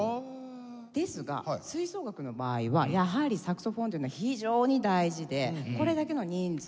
ですが吹奏楽の場合はやはりサクソフォンっていうのは非常に大事でこれだけの人数。